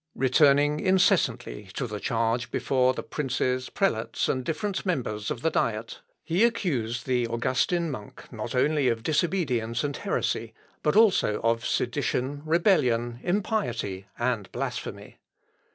Returning incessantly to the charge before the princes, prelates, and different members of the Diet, he accused the Augustin monk not only of disobedience and heresy, but also of sedition, rebellion, impiety, and blasphemy.